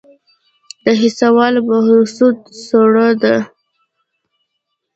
د حصه اول بهسود سړه ده